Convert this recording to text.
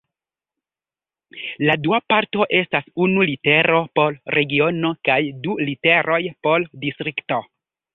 La dua parto estas unu litero por regiono kaj du literoj por distrikto.